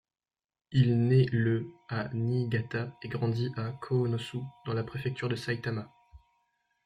Il naît le à Niigata et grandit à Kōnosu dans la préfecture de Saitama.